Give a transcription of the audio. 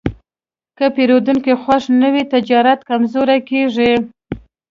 که پیرودونکی خوښ نه وي، تجارت کمزوری کېږي.